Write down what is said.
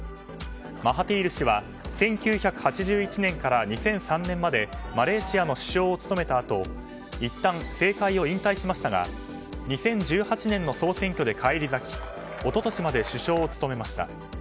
マハティール氏は１９８１年から２００３年までマレーシアの首相を務めたあといったん政界を引退しましたが２０１８年の総選挙で返り咲き一昨年まで首相を務めました。